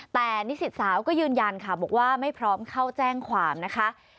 แต่นิสิตสาวก็ยืนยันค่ะบอกว่าไม่พร้อมเข้าแจ้งความนะคะ